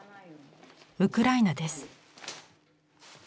ウクライナです。